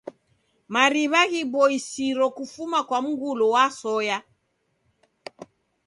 Mariw'a ghiboisiro kufuma kwa mngulu wa soya.